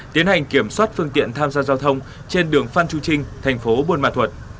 tiến hành kiểm soát phương tiện tham gia giao thông trên đường phan chu trinh thành phố buôn mà thuật